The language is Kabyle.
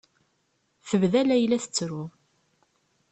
Tebda Layla tettru.